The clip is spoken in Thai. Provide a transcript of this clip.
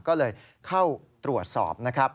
ก็เลยเข้าตรวจสอบ